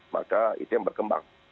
maka itu yang berkembang